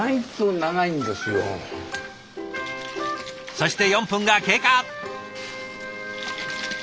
そして４分が経過。